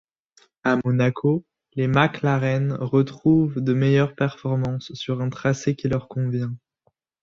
À Monaco, les McLaren retrouvent de meilleures performances sur un tracé qui leur convient.